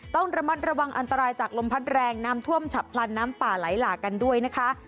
ต้องระมัดระวังอันตรายจากลมพัดแรงน้ำท่วมฉับพลันน้ำป่าไหลหลากกันด้วยนะคะ